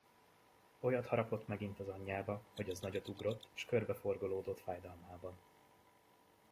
Olyat harapott megint az anyjába, hogy az nagyot ugrott, és körbe forgolódott fájdalmában.